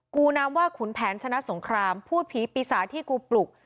กูนามว่าขุนแผนชนะสงครามพูดผีปีศาจที่กูปลุก